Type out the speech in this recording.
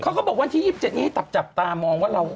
เขาก็บอกวันที่๒๗นี้ให้จับตามองว่าเรา